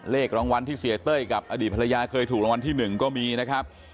เลขรางวัลที่เสียเต้ยกับอดีตภรรยาเคยถูกรางวัลที่๑ก็มีนะครับ